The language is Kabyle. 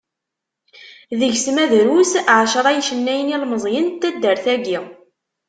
Deg-s ma drus ɛecra n yicennayen ilmeẓyen n taddart-agi.